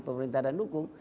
pemerintah dan hukum